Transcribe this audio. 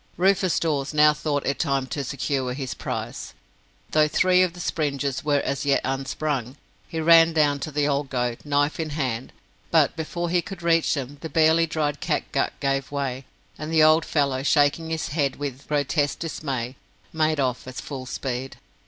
Rufus Dawes now thought it time to secure his prize, though three of the springes were as yet unsprung. He ran down to the old goat, knife in hand, but before he could reach him the barely dried catgut gave way, and the old fellow, shaking his head with grotesque dismay, made off at full speed.